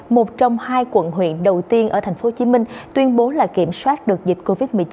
một trong hai quận huyện đầu tiên ở tp hcm tuyên bố là kiểm soát được dịch covid một mươi chín